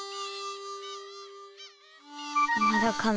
まだかな。